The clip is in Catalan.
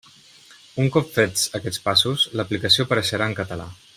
Un cop fets aquests passos, l'aplicació apareixerà en català.